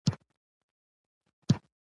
اروپايي علومو او نوي فسلفې څخه یې ګټه اخیستې.